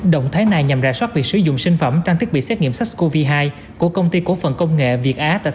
động thái này nhằm rà soát việc sử dụng sinh phẩm trang thiết bị xét nghiệm sars cov hai